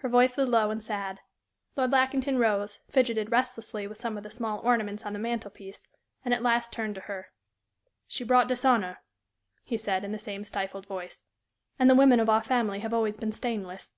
Her voice was low and sad. Lord Lackington rose, fidgeted restlessly with some of the small ornaments on the mantel piece, and at last turned to her. "She brought dishonor," he said, in the same stifled voice, "and the women of our family have always been stainless.